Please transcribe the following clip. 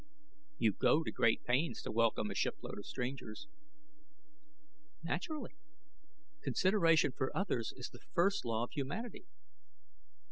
"You go to great pains to welcome a shipload of strangers." "Naturally. Consideration for others is the first law of humanity."